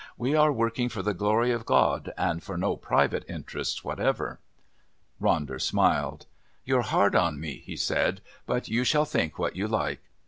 We are working for the glory of God and for no private interests whatever." Ronder smiled. "You're hard on me," he said; "but you shall think what you like.